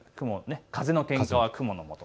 風のけんかは雲のもと。